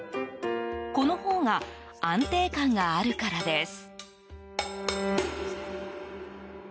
このほうが安定感があるからです。